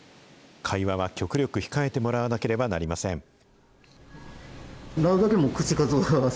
会話は極力控えてもらわなければなりません。